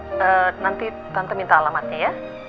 nanti tante minta alamatnya ya